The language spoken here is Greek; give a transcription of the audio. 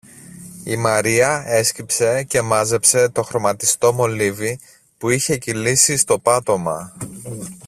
Η Μαρία έσκυψε και μάζεψε το χρωματιστό μολύβι που είχε κυλήσει στο πάτωμα